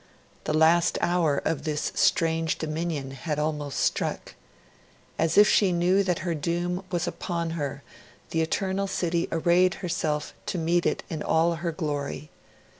The last hour of this strange dominion had almost struck. As if she knew that her doom was upon her, the Eternal City arrayed herself to meet it in all her glory.